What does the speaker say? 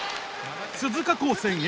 鈴鹿高専Ａ